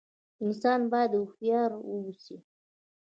انسان بايد هوښيار ووسي